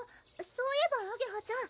そういえばあげはちゃん